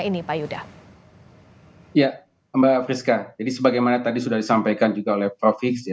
ya mbak friska jadi sebagaimana tadi sudah disampaikan juga oleh prof fiks ya